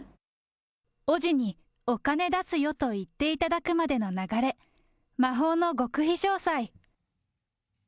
おぢにお金出すよと言っていただくまでの流れ、魔法の極秘詳細。